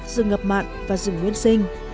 rừng ngập mạn và rừng nguyên sinh